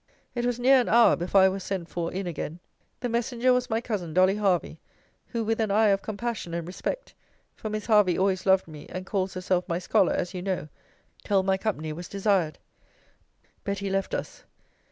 It was near an hour before I was sent for in again. The messenger was my cousin Dolly Hervey, who, with an eye of compassion and respect, (for Miss Hervey always loved me, and calls herself my scholar, as you know,) told my company was desired. Betty left us.